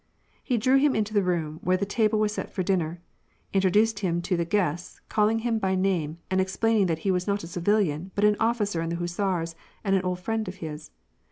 He drew him into the room where the table was set for dinner, introduced him to the guests, calling him by pame, and explaining that he was not a civilian, but an officer in the hussars, and an old friend of his.